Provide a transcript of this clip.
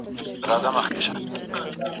غوړه مالو پکښي بایلودل سرونه